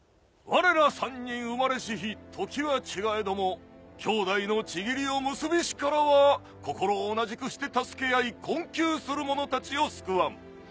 われら３人生まれし日時は違えども兄弟の契りを結びしからは心を同じくして助け合い困窮する者たちを救わん。